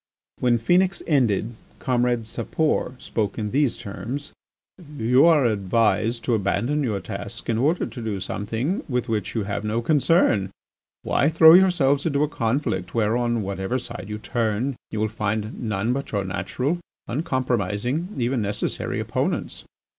When Phœnix ended, comrade Sapor spoke in these terms: "You are advised to abandon your task in order to do something with which you have no concern. Why throw yourselves into a conflict where, on whatever side you turn, you will find none but your natural, uncompromising, even necessary opponents?